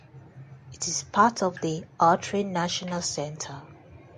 It is part of the Autry National Center.